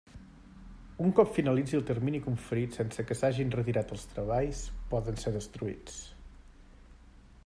Un cop finalitzi el termini conferit sense que s'hagin retirat els treballs, poden ser destruïts.